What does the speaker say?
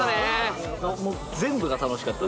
全部が楽しかった。